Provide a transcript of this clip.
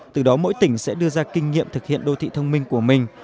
từ đó mỗi tỉnh sẽ đưa ra kinh nghiệm thực hiện đô thị thông minh của mình